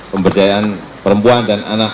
pemberdayaan perempuan dan anak